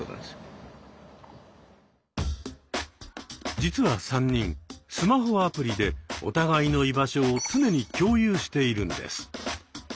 実は３人スマホアプリでお互いの居場所を常に共有しているんです。